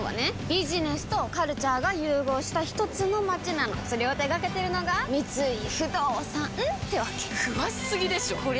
ビジネスとカルチャーが融合したひとつの街なのそれを手掛けてるのが三井不動産ってわけ詳しすぎでしょこりゃ